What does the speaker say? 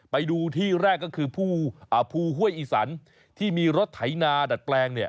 ไปดูที่แรกก็คือภูห้วยอีสันที่มีรถไถนาดัดแปลงเนี่ย